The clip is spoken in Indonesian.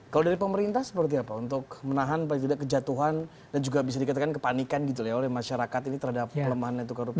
kalau dari pemerintah seperti apa untuk menahan paling tidak kejatuhan dan juga bisa dikatakan kepanikan gitu ya oleh masyarakat ini terhadap pelemahan tukar rupiah